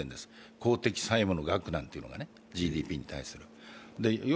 公的債務の額なんかがね、ＧＤＰに対する。